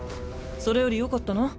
それよりよかったの？